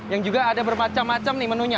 yang juga ada bermacam macam nih menunya